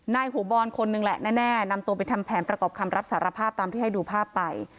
นายหัวบอลคนหนึ่งแหละแน่นำตัวไปทำแผนประกอบคำรับสารภาพตามที่ให้ดูภาพไป